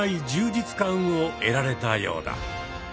じつ感を得られたようだ。